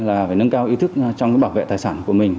là phải nâng cao ý thức trong cái bảo vệ tài sản của mình